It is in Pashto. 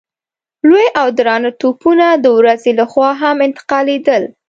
لوی او درانه توپونه د ورځې له خوا هم انتقالېدل.